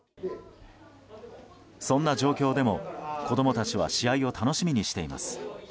そんな状況でも、子供たちは試合を楽しみにしています。